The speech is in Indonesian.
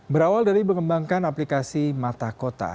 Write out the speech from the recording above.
berawal dari mengembangkan aplikasi mata kota